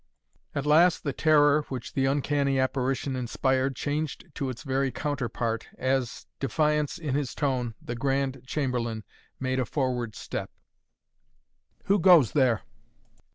At last the terror which the uncanny apparition inspired changed to its very counterpart, as, defiance in his tone, the Grand Chamberlain made a forward step. "Who goes there?